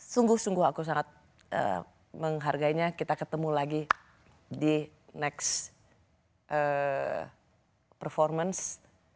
sungguh sungguh aku sangat menghargainya kita ketemu lagi di next performance